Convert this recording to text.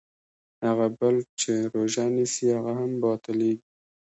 هغه بل چې روژه نیسي هغه هم باطلېږي.